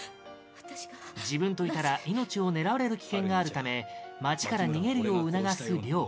自分といたら命を狙われる危険があるため街から逃げるよう促すリョウ